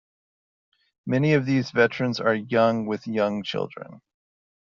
Many of these veterans are young with young children.